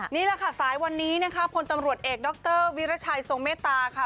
นี่แหละค่ะสายวันนี้นะคะพลตำรวจเอกดรวิรัชัยทรงเมตตาค่ะ